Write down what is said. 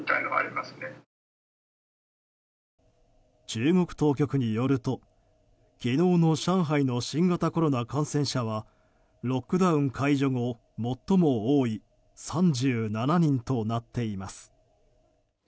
中国当局によると昨日の上海の新型コロナ感染者はロックダウン解除後、最も多い３７人となっています。